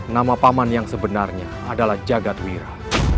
nama paman yang sebenarnya adalah jagadwira